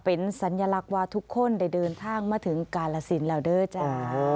เป็นสัญลักษณ์ว่าทุกคนได้เดินทางมาถึงกาลสินแล้วเด้อจ้า